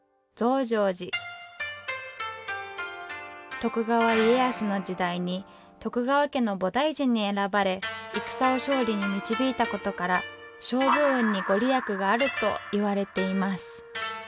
徳川家康の時代に徳川家の菩提寺に選ばれ戦を勝利に導いたことから勝負運に御利益があるといわれています。